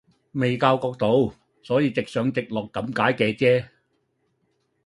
未校角度，所以直上直落咁解嘅啫